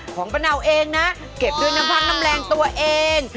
ป้าเนาเองนะเก็บด้วยน้ำพักน้ำแรงตัวเอง